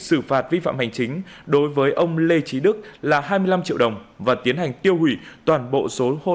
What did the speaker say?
xử phạt vi phạm hành chính đối với ông lê trí đức là hai mươi năm triệu đồng và tiến hành tiêu hủy toàn bộ số hô